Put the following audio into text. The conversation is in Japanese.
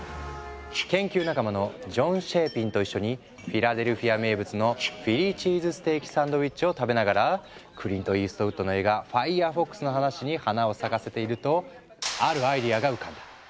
研究仲間のジョン・シェーピンと一緒にフィラデルフィア名物のフィリー・チーズステーキ・サンドイッチを食べながらクリント・イーストウッドの映画「ファイヤーフォックス」の話に花を咲かせているとあるアイデアが浮かんだ。